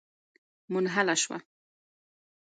منحله شوه.